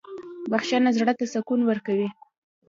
• بخښنه زړه ته سکون ورکوي.